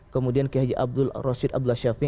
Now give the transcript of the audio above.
kemudian kehji abdul rashid abdul shafi'in